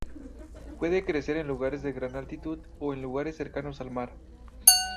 Puede crecer en lugares de gran altitud o en lugares cercanos al mar.